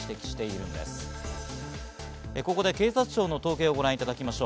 ここで警察庁の統計をご覧いただきます。